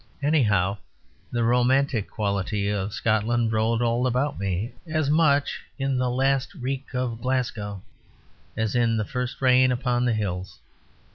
Anyhow, the romantic quality of Scotland rolled all about me, as much in the last reek of Glasgow as in the first rain upon the hills.